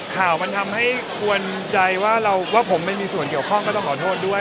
ข่าวมันทำให้กวนใจว่าผมไม่มีส่วนเกี่ยวข้องก็ต้องขอโทษด้วย